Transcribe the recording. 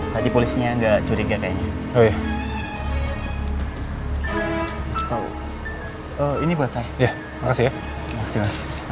kayak ga jelas dengan maksimal saya